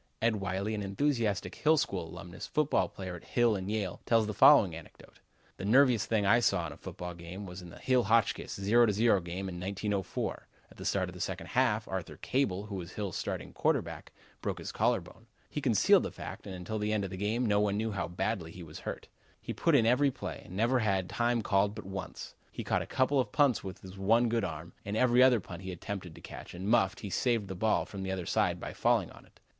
Ed Wylie, an enthusiastic Hill School Alumnus, football player at Hill and Yale, tells the following anecdote: "The nerviest thing I ever saw in a football game was in the Hill Hotchkiss 0 to 0 game in 1904. At the start of the second half, Arthur Cable, who was Hill's quarterback, broke his collar bone. He concealed the fact and until the end of the game, no one knew how badly he was hurt. He was in every play, and never had time called but once. He caught a couple of punts with his one good arm and every other punt he attempted to catch and muffed he saved the ball from the other side by falling on it.